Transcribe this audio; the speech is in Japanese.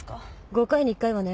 ５回に１回はね。